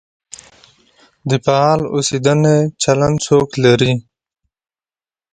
د فعال اوسېدنې چلند څوک لري؟